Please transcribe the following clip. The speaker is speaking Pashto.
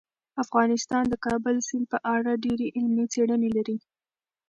افغانستان د کابل سیند په اړه ډېرې علمي څېړنې لري.